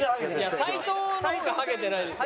斎藤の方がハゲてないでしょ。